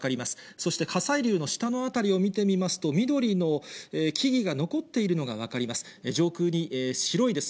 そして火砕流の下の辺りを見てみますと、緑の木々が残っているのが分かります。